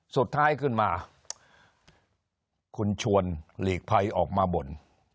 สุดท้ายขึ้นมาคุณชวนหลีกภัยออกมาบ่น